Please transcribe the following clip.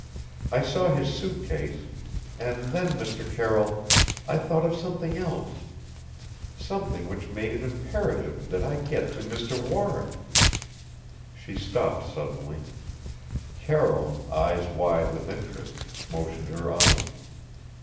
I saw his suit case and then, Mr. Carroll I thought of something else: something which made it imperative that I get to Mr. Warren " She stopped suddenly. Carroll eyes wide with interest motioned her on.